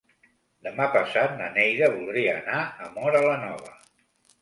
Demà passat na Neida voldria anar a Móra la Nova.